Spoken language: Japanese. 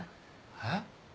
えっ？